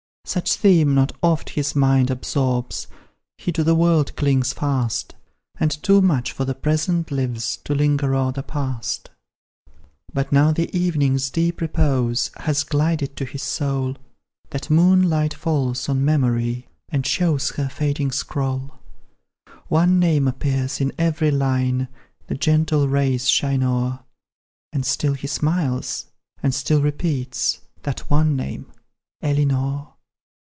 Such theme not oft his mind absorbs, He to the world clings fast, And too much for the present lives, To linger o'er the past. But now the evening's deep repose Has glided to his soul; That moonlight falls on Memory, And shows her fading scroll. One name appears in every line The gentle rays shine o'er, And still he smiles and still repeats That one name Elinor.